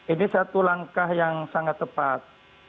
ini satu langkah yang sangat tepat